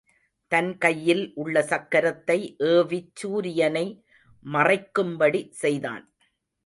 தன் கையில் உள்ள சக்கரத்தை ஏவிச் சூரியனை மறைக்கும்படி செய்தான்.